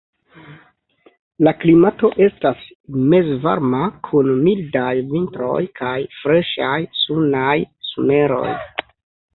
La klimato estas mezvarma kun mildaj vintroj kaj freŝaj, sunaj someroj.